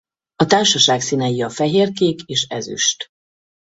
A társaság színei a fehér-kék és ezüst.